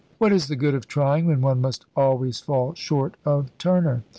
"What is the good of trying, when one must always fall short of Turner?"